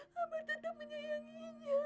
hama tetap menyayanginya